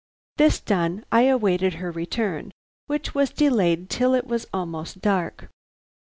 This done, I awaited her return, which was delayed till it was almost dark.